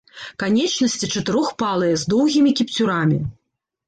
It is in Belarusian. Канечнасці чатырохпальцыя, з доўгімі кіпцюрамі.